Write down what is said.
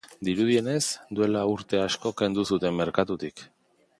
Dirudienez, duela urte asko kendu zuten merkatutik.